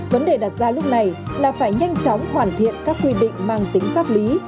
vấn đề đặt ra lúc này là phải nhanh chóng hoàn thiện các quy định mang tính pháp lý